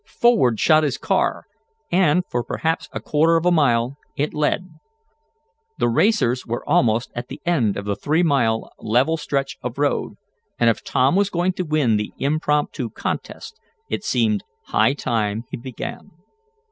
Forward shot his car, and, for perhaps a quarter of a mile it led. The racers were almost at the end of the three mile level stretch of road, and if Tom was going to win the impromptu contest it seemed high time he began.